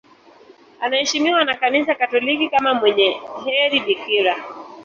Anaheshimiwa na Kanisa Katoliki kama mwenye heri bikira.